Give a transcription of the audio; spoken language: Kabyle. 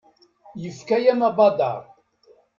Yefka-yam abadaṛ.